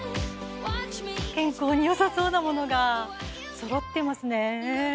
健康に良さそうなものがそろってますね。